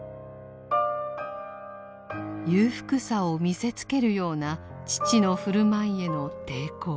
裕福さを見せつけるような父の振る舞いへの抵抗。